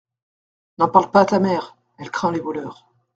N’en parle pas à ta mère : elle craint les voleurs.